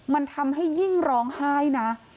มันทำให้ยิ่งร้องไห้นะ